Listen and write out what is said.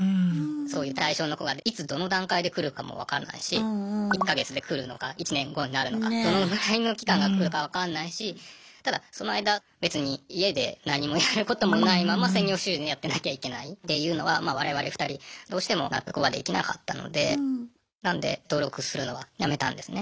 そういう対象の子がいつどの段階で来るかも分からないし１か月で来るのか１年後になるのかどのぐらいの期間が来るか分かんないしただその間別に家で何もやることもないまま専業主婦やってなきゃいけないっていうのは我々２人どうしても納得はできなかったのでなので登録するのはやめたんですね。